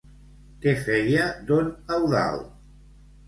Què feia don Eudald?